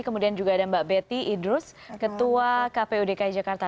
kemudian juga ada mbak betty idrus ketua kpu dki jakarta